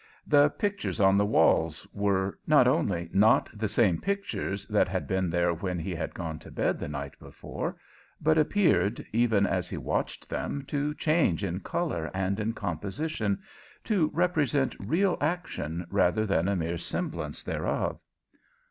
The pictures on the walls were not only not the same pictures that had been there when he had gone to bed the night before, but appeared, even as he watched them, to change in color and in composition, to represent real action rather than a mere semblance thereof.